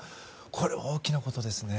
これは大きなことですよね。